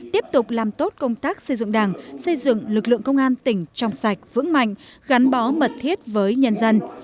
tiếp tục làm tốt công tác xây dựng đảng xây dựng lực lượng công an tỉnh trong sạch vững mạnh gắn bó mật thiết với nhân dân